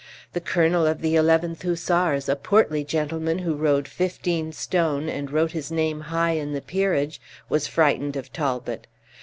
The colonel of the 11th Hussars, a portly gentleman, who rode fifteen stone, and wrote his name high in the peerage, was frightened of Talbot.